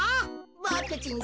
ボクちん